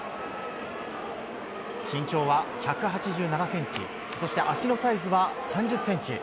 身長は１８７ｃｍそして、足のサイズは３０ｃｍ。